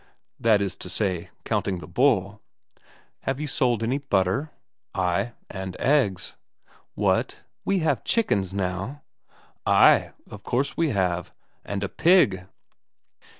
"That is to say, counting the bull." "Have you sold any butter?" "Ay, and eggs." "What, have we chickens now?" "Ay, of course we have. And a pig."